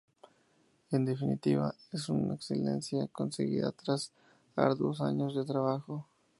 En definitiva, una excelencia conseguida tras arduos años de trabajo.